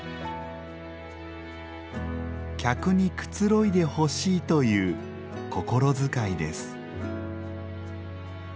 客にくつろいでほしいという心遣いです。